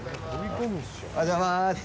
おはようございまーす。